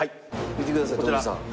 見てください徳光さん。